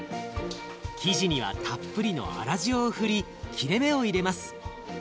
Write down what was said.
生地にはたっぷりの粗塩を振り切れ目を入れます。